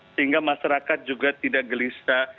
sehingga masyarakat juga tidak gelisah